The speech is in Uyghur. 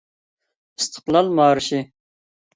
ئىستىقلال مارشى